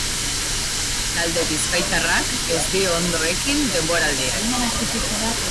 Talde bizkaitarrak ez dio ondo ekin denboraldiari.